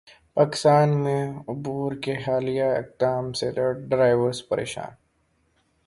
پاکستان میں اوبر کے حالیہ اقدام سے ڈرائیورز پریشان